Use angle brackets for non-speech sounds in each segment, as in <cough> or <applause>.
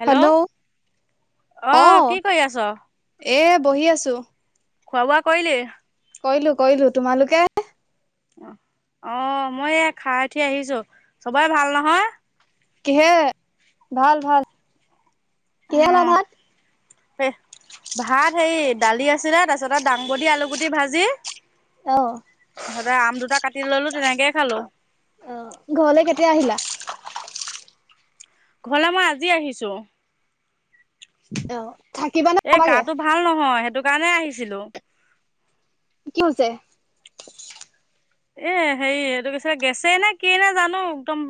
Hello অ অ কি কৰি আছ এ বহি আছো খোৱা বোৱা কলেে কলো কলো তোমালোকে অ আহ মই এই খাই উঠি আহিছো চবেই ভাল নহয় কিহে ভাল ভাল কিহে খালা ভাত অ ভাত হে দালি আছিলে তাৰছত এটা দাংবদ আলুগুটি ভাজি অ সদায় আম দুটা কাটি ললো তেনেকেই খালো অ ঘৰলে কেতিয়া আহিলা ঘৰলে মই আজি আহিছো থাকিবা নে এ যাবাগে গাটো ভাল নহয় সেইটো কাৰণে আহিছিলো কি হৈছে এ হেৰি এইটো কিছে গেছেই নে কি না জানো একদম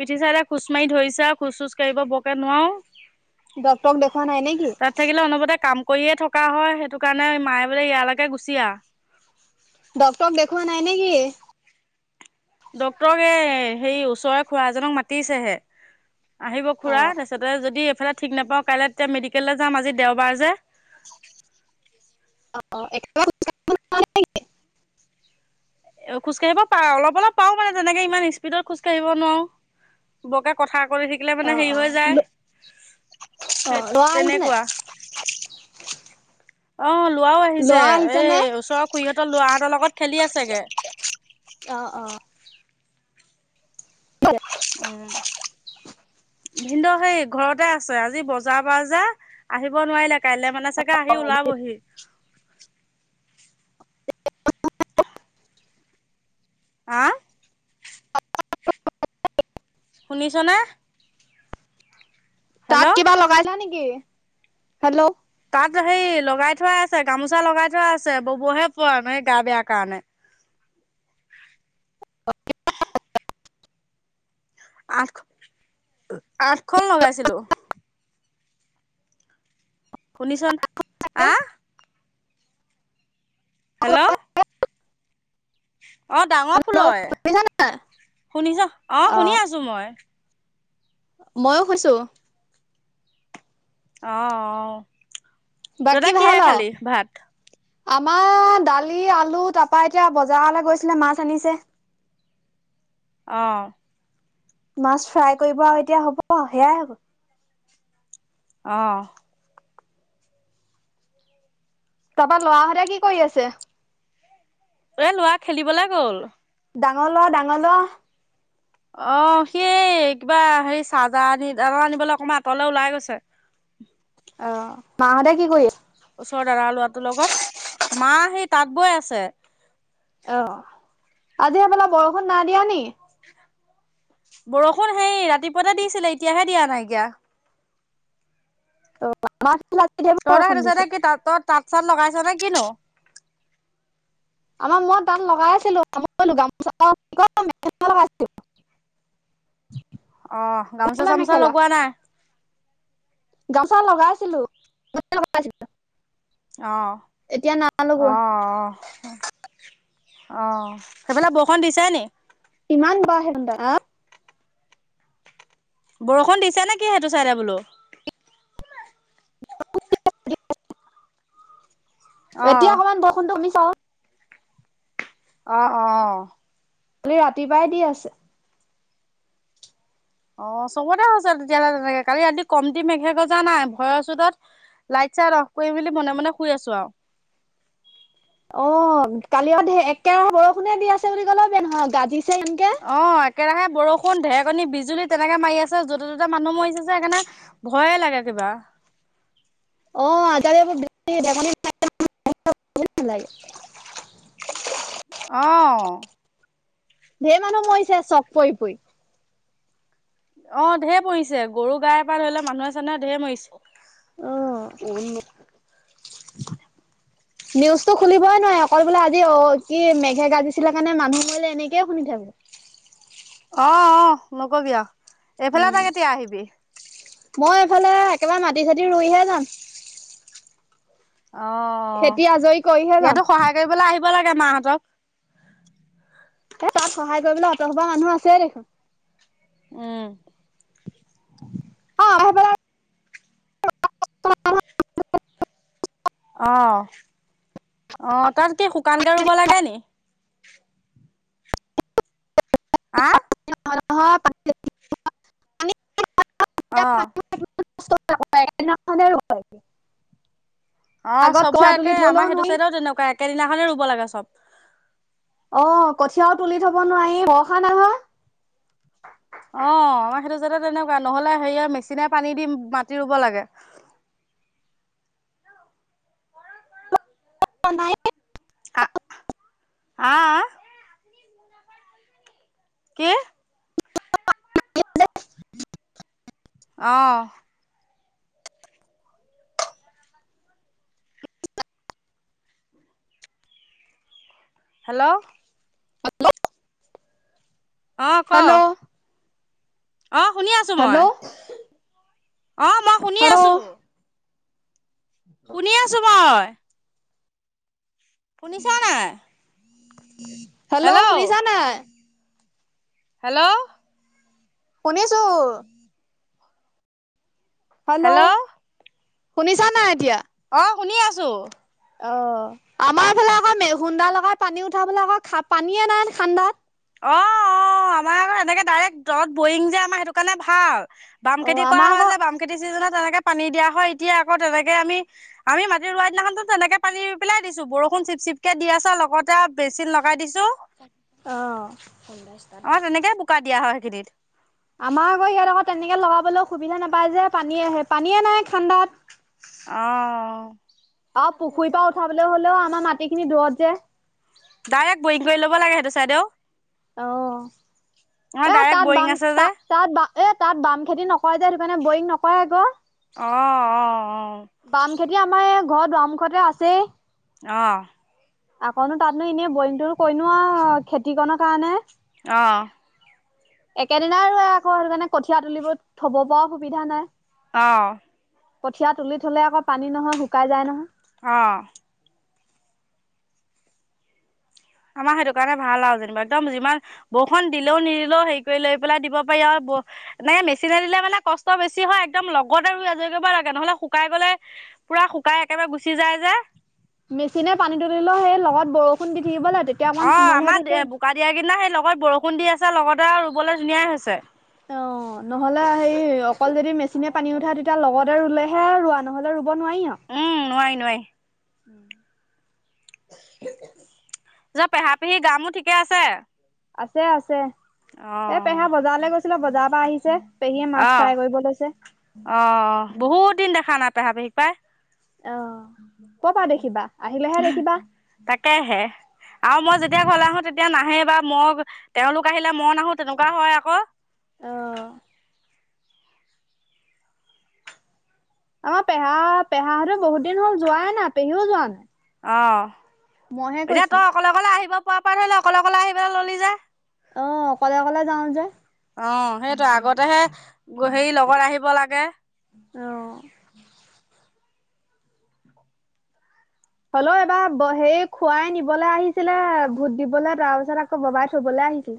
পিঠি চাটা খোচ মাৰি ধৰিছে খোজ চোজ কাঢ়িব বৰকে নোৱাৰো ডক্তৰক দেখুওৱা নাই নে কি তাত থাকিলে অনপতে কাম কৰিয়ে থকা হয় সেইটো কাৰণে মায়ে বোলে ইয়ালৈকে গুচি আহ ডক্টৰক দেখুৱা নাই নে কি ড্ক্তৰক এ হেৰি ওচৰৰে খৰা এজনক মাতিছেহে আহিব অ খুৰা তাৰপছতে যদি এইফালে ঠিক নাপাও কাইলৈ এতিয়া মেডিকেললৈ যাম আজি দেওবাৰ যে অ একেব এ খোজকাাঢ়িব পা অলপ অলপ পাও মানে তেনেকে ইমান স্পীডত খোজ কাঢ়িব নোৱাৰো বকে কথা সকলি শিকিলে অ মানে অ হেৰি অ হৈ যায় সেই ল'ৰা আহিছে নে তেনেকুৱা অ লোৱাও আহিছে ল'ৰা নে এই ওচৰৰ খুুৰীহঁতৰ লৰাাহঁতৰ লগত খেলি আছেগে অ অ ভাল ভিদ সেই ঘৰতে আছে আজি বজাৰ বজাৰ আহিব নোৱাৰিলে কাইলে মানে চাগে আহি ওলাবহি <unintelligible> শুনিছনে তাত হেল্ল'। কিবা লগাই যা নেকি হেল্ল' তাত হে লগাই থোৱা আছে গামোচা লগাই থোৱা আছে ববহে পোৱা ন সেই গা বেয়া কাৰণে আঠ আঠখন লগাইছিলো শুনিছ হা হেল্ল' অ ডাঙৰ হেল্ল' ফুলৰ শুনিছা নাই শুনিছ আহ শুনি আছো মই মইো কৈছোঁ অ অ বাকী দাদা ভাল কিহে আৰু খালি ভাত আমাৰ দালি আলু তাৰাপা এতিয়া বজাৰলৈ গৈছিলে মাছ আনিছে অ মাছ ফ্ৰাই কৰিব আৰু এতিয়া হ'ব সেয়াই হব অ তাৰপা লৰাহঁতে কি কৰি আছে এ লোৱা খেলিবলে গ'ল ডাঙৰ ল'ৰা ডাঙৰ ল'ৰা অ সি কিবা হে চাহজাহ আনি দ আনিবলৈ অকমান আঁতৰলে ওলাই গৈছে <inaudible> অ মাহঁতে কি কৰি ওচৰ দাদা লৰাটোৰ লগত মা সেই তাঁত বৈ আছে অ', আজি সেইফালে বৰষুণ না দিয়া নি বৰষুণ হেই ৰাতিপুৱাতে দিছিলে এতিয়াহে দিয়া নাইকিয়া <inaudible> তহঁততে বৰষুণ সেইতু দিছে চাইডে কি তাঁত তাঁত চাত লগাইছ নে কিনো আমাৰ মই তাতঁ লগাই আছিলো গামোচা লগো <inaudible> অ গামোচা মেখেলা চামোচা লগোৱা নাই গামচা লগাইছিলো লগাইছিল অ অ অ অ সেইফালে বৰষুণ দিছে নি <unintelligible> বৰষুণ দিছে নে কি সেইটো চাইডে বোলো অহ এতিয়া অকণমান বৰষুণ কমিছে আৰু অ অ খালি ৰাতিপুৱাই দি আছে অ চবতে হৈছে তেতিয়াহলে তেনেকে কালি ৰা কম দি মেখেল গজা নাই ভয়ৰ চতত লাইট ইচ্ছা লগ কৰি মেলি মনে মনে শুই আছো আৰু অ কালি অ একেৰা বৰষুণে দি আছে বুলি ক'লে ব নহয় গাজি <unintelligible> অহ একেৰাহে বৰষুণ ধেকনী বিজুলী তেনেকে মাৰি আছে য'তে ত'তে মানুহ মৰিছে সেইকাৰণে ভয়ে লাগে কিবা ৱাহ অ তাতে <unintelligible> অ ঢেৰ মানুহ মৰিছে চক পৰি পৰি অ ঢেৰ মৰিছে গৰু গাই পৰা ধৰিলে মানুহে চানুহে ঢেৰ মৰিছে অ ম নিউজতটো খুলিবই নোৱাৰে অকল বোলে আজি অ কি মেঘে গাজিছিলে কাৰণে মানুহ মলে এনেকে শুনি থাকো অ অ নকবি অ এইফালে উম, তটা কেতিয়া আহিবি মই এইফালে একেবাৰে মাটি চাটি ৰুইহে যাম অ খেতি আজৰি কৰিহে যাম। ইয়াতো সহায় কৰিবলৈ আহিব লাগে এ মাহঁতক এ তাক সহায় কৰিবলৈ অঁত হোৱা মানুহ আছে দেখোন উম অ ব আহ আহ তাত কি শুকান কে ৰুব লাগে নি হ <inaudible> অহ <inaudible> অ আগত কঠীয়া চবৰ তুলি একে থবলৈও আমাৰ সেইটো নোৱাৰি, চাইডেও তেনেকুৱা একেদিনাখনেই ৰুব লাগে চব। অ' কঠিয়াও তুলি থব নোৱাৰি বৰষা নহয়। অ', আমাৰ সেইটো চাইদে তেনেকুৱা নহলে হেৰিয়ে মেচিনে পানী দি মাটি ৰুব লাগে। <inaudible> <unintelligible> আ, আহ। কি? অহ। হেল্ল'। অহ, ক। হেল্ল' অ', শুনি আছোঁ মই। হেল্ল' অ', মই শুনি হেল্ল' আছোঁ। শুনি আছোঁ মই। শুনিছা নাই? হেল্ল', শুনিছা নাই? হেল্ল'। শুনিছোঁ। হেল্ল', শুনিছা নাই এতিয়া? অ', শুনি আছোঁ। অ', আমাৰ এইফালে আকৌ <unintelligible> লগাই পানী উঠাবলে আকৌ পানীয়ে নাই ঠাণ্ডাত। অ', অ', আমাৰ আকৌ এনেকে ডাইৰেক্ট দদ বৰিং যে আমাৰ সেইটো কাৰণে ভাল। অ বামখেতি কৰা আমাৰ হয়, আকৌ যে, বামখেতি চিজনত তেনেকে পানী দিয়া হয়, এতিয়া আকৌ তেনেকে আমি, আমি মাটি ৰোৱা দিনাখনতো তেনেকে পানী পেলাই দিছোঁ, বৰ ন' চিপচিপকে দি আছে, লগতে আৰু বেচিন লগাই দিছোঁ। অ', আমাৰ <unintelligible> তেনেকে বোকা <unintelligible> আমাৰ আকৌ, ইয়াত আকৌ তেনেকে লগাবলৈ সুবিধা নাপায় যে, পানী আহে, পানীয়ে নাই ঠাণ্ডাত অ'। আৰু পুখুৰীৰ পৰা উঠাবলৈ হ'লেও আমাৰ মাটিখিনি দূৰত যে। ডাইৰেক্ট বৰিং কৰি ল'ব লাগে সেইটো চাইডেয়ো। অ'। অ এ, ডাইৰেক্ট তাত বৰিং বাম আছে যে তা-তাত-এ তাত বাম খেতি নকৰে যে, সেইটোকাৰণে বৰিং নকৰে আকৌ। অ', অ', অ'। বামখেতি আমাৰ এই ঘৰত দুৱাৰমুখতে আছেই। অ'। আকৌনো তাতনো এনেই বৰিংটো কৰিনো আৰু খেতিকনৰ কাৰণে। অ'। একেদিনাই ৰোৱে আকৌ সেইটোকাৰণে কঠীয়া তুলিবোৰ থ'ব পৰাও সুবিধা নাই। অ'। কঠীয়া তুলি থ'লে আকৌ পানী নহয়, শুকাই যায় নহয়। অ'। আমাৰ সেইটো কাৰণে ভাল আৰু যেনিবা একদম যিমান বৰষুণ দিলেও, নিদিলেও হেৰি কৰি লৈ পেলাই দিব পাৰি আৰু ব-নে, মেচিনে দিলে মানে কষ্ট বেছি হয়, একদম লগতে ৰুই আজৰি কৰিব লাগে নহ'লে শুকাই গ'লে পুৰা শুকাই একেবাৰে গুচি যায় যে মেচিনে পানী তুলিলেও সেই লগত বৰষুণ দি থাকিব লাগে তেতিয়া অকমান অ', কোমল হৈ আমাৰ থাকে। বোকা দিয়া কিদিনা সেই লগত বৰষুণ দি আছে লগতে আৰু ৰুবলৈ ধুনীয়াই হৈছে। অ', নহ'লে হেই অকল যদি মেচিনে পানী উঠাই তেতিয়া লগতে ৰুলেহে ৰোৱা নহলে ৰো উম্, নোৱাৰি নোৱাৰি। <inaudible> যা পেহা পেহীৰ গা মোৰ ঠিকে আছে? আছে আছে। অ এ পেহা বজাৰলে গৈছিলে বজাৰৰ পৰা আহিছে পেহীয়ে মাছ ফ্ৰাই কৰিব লৈছে। অ', অ', বহুত দিন দেখা নাই পেহা পেহীক পাই। অ', কপা দেখিবা আহি তাকেহে আৰু মই যেতিয়া ঘলে আহো তেতিয়া নাহ আহে বা মই, তেওঁলোক আহিলে মই নাহো তেনেকুৱা হয় আকৌ। অ', আমাৰ পেহা পেহাহঁত বহুত দিন হ'ল, যোৱাই নাই পেহীও যোৱা নাই। অ', মইহে এতিয়া কৈছিলো তই অকলে অকলে আহিব পৰা পা ধৈল অকলে অকলে আহিব ললি যে। অ', অকলে অকলে যাওঁ যে। অ', সেইটোৱে, আগতেহে হেৰি লগত আহিব লাগে। অ হ'লেও এইবাৰ ব হেৰি খুৰাই নিবলৈ আহিছিলে ভূত দিবলে, তাৰ পিছত আকৌ ববাই থবলৈ--! আহিছিল।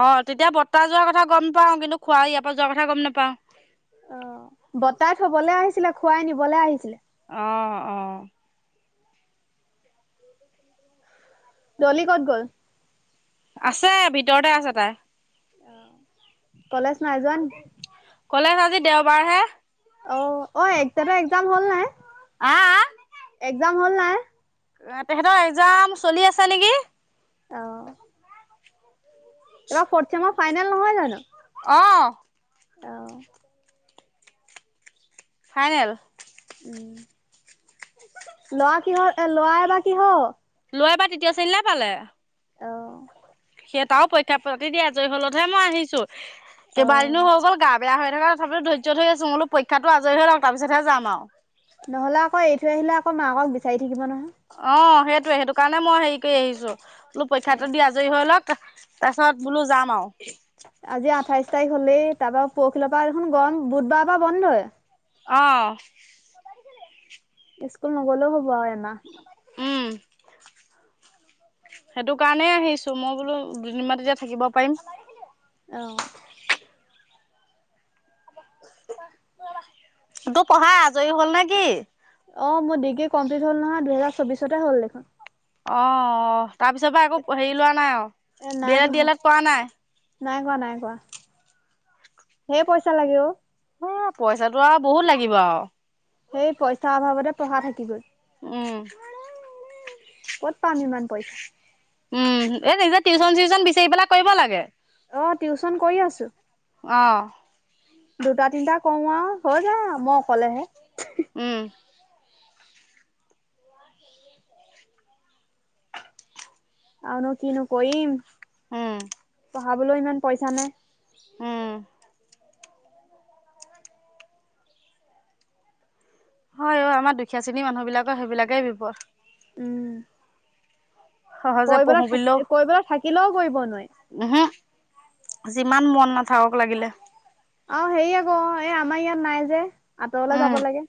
অ', তেতিয়া বত্তা যোৱাৰ কথা গম পাওঁ, কিন্তু খোৱা ইয়াৰ পৰা যোৱাৰ কথা গম নাপাওঁ। অ', বত্তাই থ'বলৈ আহিছিলে, খুৰাই নিবলৈ আহিছিলে। অ', অ'। দলি ক'ত গ'ল? আছে ভিতৰতে আছে তাই। অ', কলেজ নাই যোৱা নি। কলেজ আজি দেওবাৰ হে। অ', অ', এ তহঁতৰ একজাম হ'ল নাই? আহ আহ। একজাম হ'ল নাই? এহ তেখেতৰ একজাম চলি আছে নেকি। অ', এইবাৰ ফ'ৰ্ড চেমৰ ফাইনেল নহয় জানোঁ। অ', অ', ফাইনেল। উম ল'ৰা কিহত এই ল'ৰা এইবাৰ কিহত? ল'ৰা এবাৰ তৃতীয় শ্ৰেণীলৈ পালে। অ'। সেই তাৰো পৰীক্ষা পাতি দিয় আজৰি হ'লতহে মই আহিছোঁ। অ কেইবাদিনো হৈ গ'ল গা--! বেয়া হৈ থকা তথাপিও ধৈৰ্য ধৰি আছোঁ। মই বোলো পৰীক্ষাতো আজৰি হৈ লওঁক তাৰ পিছতহে যাম আও। নহ'লে আকৌ এৰি থৈ আহিলে আকৌ মাকক বিচাৰি থাকিব নহয়। অ', সেইটোয়ে, সেইটো কাৰণে মই হেৰি কৰি আহিছো, বোলো পৰীক্ষাটো দি আজৰি হৈ লওঁক। তা-তাৰপিছত বোলো যাম আৰু। আজি আঠাইছ তাৰিখ হ'লেই, তাৰ পৰা পৰখিলৈপৰা দেখোন গৰম বুধবাৰৰ পৰা বন্ধয়ে। অ'। স্কুল নগলেও হ'ব আৰু এমাহ। <inaudible> সেইটো কাৰণেই আহিছোঁ মই বোলো দুদিনমান তেতিয়া থাকিব পাৰিম। অ'। তোৰ পঢ়াৰ আজৰি হ'ল নে কি? অ', মোৰ ডিগ্ৰী কমপ্লিট হ'ল নহয়, দুহেজাৰ চৌবিশতে হ'ল দেখোন। অ', অ', তাৰপিছৰ পৰা আকৌ হেৰি লোৱা নাই এ আৰু নাই বিয়েলেট পঢ়া, ডিয়েলেট কৰা নাই। নাই কৰা, নাই কৰা, ধেই পইচা লাগে অ',। এ পইচাটো আৰু বহুত লাগিব আৰু। সেই পইচাৰ অভাৱতে পঢ়া থাকি গল। উম ক'ত পাম ইমান পইচা? উম, এ নিজে টিউচন চিউচন বিচাৰি পেলাই কৰিব লাগে। অ টিউচন কৰি আছো অ দুটা তিনিটা কৰো আৰু হৈ যা মই অকলেহে উম আৰু ন কি নো কই উম পঢ়াবলৈ ইমান পইচা নে উম হয় অ আমাৰ দুখীয়া শ্ৰেণীৰ মানুহ বিলাকৰ সেইবিলাকেই বিপদ উম সহজে কৰিবলৈ পঢ়ো থাক পিলেও কৰিবলৈ থাকিলেও কৰিব নোৱাৰি। হ হ যিমান মন নাথাকক লাগিলে অ হেৰি আকৌ এ আমাৰ ইয়াত নাই যে আঁতৰলে উম। যাব লাগে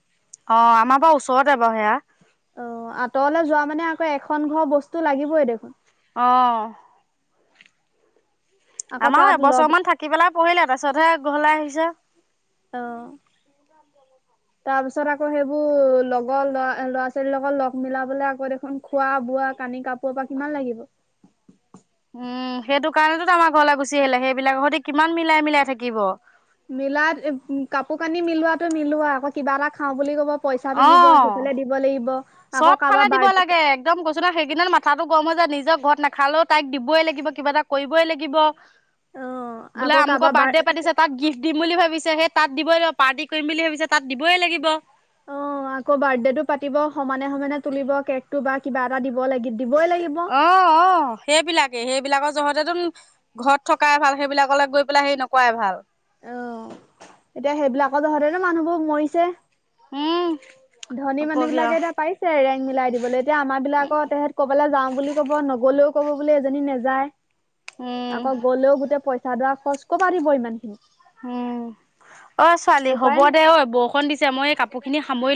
অ আমাৰ পৰাাৰ ওচৰতে বাৰু সেয়া অ আঁতৰলৈ যোৱা মানে আকৌ এখন ঘৰ বস্তু লাগিবই দেখোন অ আকৌ আমাৰো তাত লগ এবছৰ মমান থাকি পেলাই পঢ়িলে তাৰপিছতহে গহলাই আহিছে অ <unintelligible> তাৰ পিছত আকৌ সেইবোৰ লগৰ লৰা ল'ৰা ছোৱালীৰ লগত লগ মিলাবলে আকৌ দেখোন খোৱা বোৱা কানি কাপোৰৰ পৰা কিমান লাগিব <unintelligible> উম সেইটো কাৰণেতো ত আমাৰ ঘৰলৈ গুচি আহিলে সেইবিলাক সতে কিমান মিলাই মিলাই থাকিব মিলাত উ কাপোৰ কানি মিলোৱাাতটো মিলোৱা আকৌ কিবা এটা খাও বুলি ক'ব পইচা তুলিব সেইফালে দিব লাগিব আকৌ চব কাৰোবাৰ ফালে দিব বাৰ লাগে একদম কৈছ ন সেইকিন মাথাাতটো গম হৈ যায় নিজৰ ঘৰত নাখালেও তাইক দিবই লাগিব কিবা এটা কৰিবই লাগিব অ বোলে আকৌ কাৰোবাৰ আমুকৰ বাৰ বাৰ্থডে পাতিছে তাক গিফ্ট দিম বুলি ভাবিছে সেই তাত দিবই লাগিব পাৰ্টি কৰিম বুলি ভাবিছে তাত দিবই লাগিব মনে সময়ানে তুলিব কেক টো বা কিবা এটা দিব লাগিব দিবই অ অ সেইবিলাকে সেইবিলাকৰ জহতে তম ঘৰত থকাই ভাল সেইবিলাকলৈ গৈ পেলাই হেৰি নকোৱাই ভাল অ এতিয়া সেইবিলাকো যহতে ন মানুহবোৰ মৰিছে উম ধনী মানুহ নকবি বিলাকে আৰু এতিয়া পাইছে ৰেংক মিলাই দিবলৈ এতিয়া আমাৰ বিলাকৰ তেহেত ক'বাললৈ যাওঁ বুলি ক'ব নগলেও কব বো এজনী নেযায় উম, আকৌ গ'লেও গোটেই পইচা দোৱা খৰচ কা দিব ইমান খিনি উম অ ছোৱালী হ'ব উপায় নাই। দে অঐ বৰষুণ দিছে মই এই কাপোৰ খিনি সামৰি ল